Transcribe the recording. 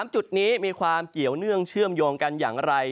จุดนี้มีความเกี่ยวเนื่องเชื่อมโยงกันอย่างไร